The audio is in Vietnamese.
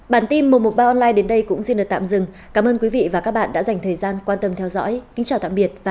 bản tin một trăm một mươi ba online đến đây cũng xin được tạm dừng cảm ơn quý vị và các bạn đã dành thời gian quan tâm theo dõi kính chào tạm biệt và hẹn gặp